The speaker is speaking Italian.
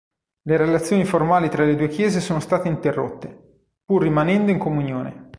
Le relazioni formali tra le due chiese sono state interrotte, pur rimanendo in comunione.